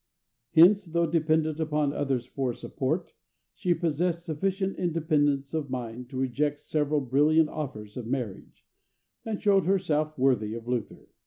Hence, though dependent on others for support, she possessed sufficient independence of mind to reject several brilliant offers of marriage, and showed herself worthy of Luther.